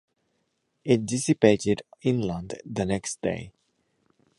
It dissipated inland the next day.